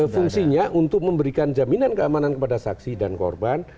fungsinya untuk memberikan jaminan keamanan kepada saksi dan korban